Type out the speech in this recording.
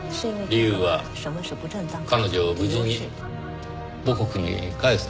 理由は彼女を無事に母国に帰すためですね。